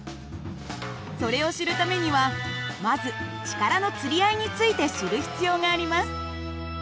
それを知るためにはまず力のつり合いについて知る必要があります。